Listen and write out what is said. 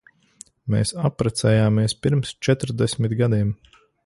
Mēs apprecējāmies pirms četrdesmit gadiem.